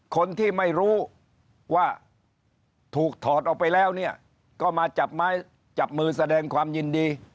คนที่ไม่รู้ว่าถูกถอดออกไปแล้วเนี่ยก็มาจับไม้จับมือแสดงความยินดี